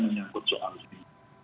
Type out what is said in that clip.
menyangkut soal ini